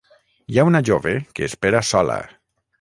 Hi ha una jove que espera sola.